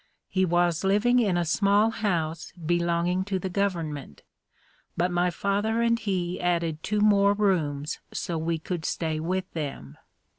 He was living in a small house belonging to the government, but my father and he added two more rooms so we could stay with them.